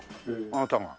あなたが。